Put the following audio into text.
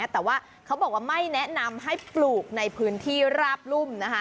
แต่ว่าเขาบอกว่าไม่แนะนำให้ปลูกในพื้นที่ราบรุ่ม